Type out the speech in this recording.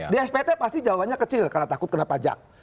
di spt pasti jawabannya kecil karena takut kena pajak